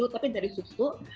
tapi dari susu